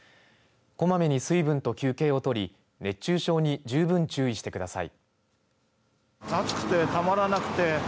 こまめに水分と休憩を取り熱中症に十分注意してください。